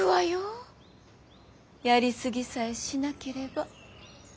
やり過ぎさえしなければ。